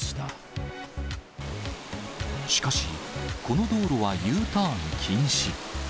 しかし、この道路はＵターン禁止。